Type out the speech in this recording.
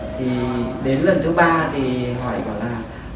thì đến lần thứ ba thì hỏi bảo là